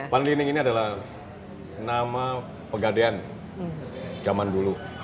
van liening ini adalah nama pegadaian zaman dulu